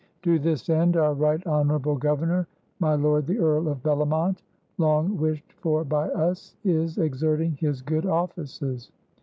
To this end our Right Honorable Governor, my lord the Earl of Bellomont, long wished for by us, is exerting his good offices.